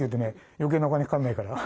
余計なお金かかんないから。